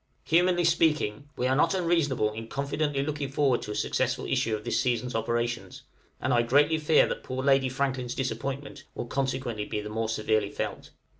Humanly speaking, we are not unreasonable in confidently looking forward to a successful issue of this season's operations, and I greatly fear that poor Lady Franklin's disappointment will consequently be the more severely felt.